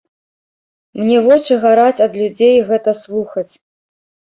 Мне вочы гараць ад людзей гэта слухаць.